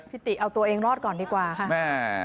ติเอาตัวเองรอดก่อนดีกว่าค่ะ